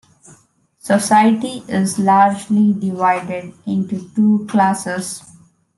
Society is largely divided into two classes.